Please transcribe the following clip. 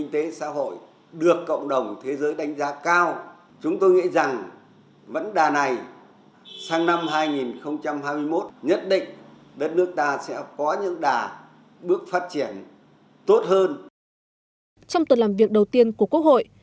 trong tuần làm việc đầu tiên của quốc hội